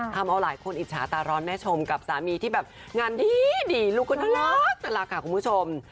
ทำเอาหลายคนอิจฉาตาร้อนแม่ชมกับสามีที่แบบงานดีลูกก็น่ารักค่ะคุณผู้ชม